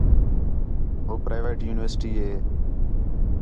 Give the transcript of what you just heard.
ہو پرائیویٹ یونیورسٹی ہِے